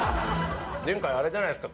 前回あれじゃないですか？